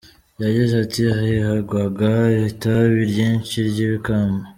Yagize ati “ Hahingwaga itabi ryinshi ry’ibikamba.